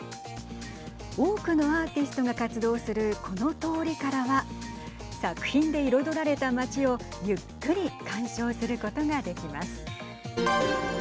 多くのアーティストが活動するこの通りからは作品で彩られた街をゆっくり鑑賞することができます。